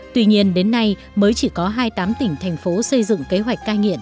tuy nhiên đến nay mới chỉ có hai mươi tám tỉnh thành phố xây dựng kế hoạch cai nghiện